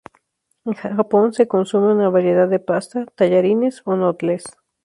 En Japón se consume una variedad de pasta, tallarines o noodles.